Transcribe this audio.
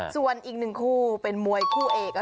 ส่วนอีก๑คู่เป็นมวยคู่เอก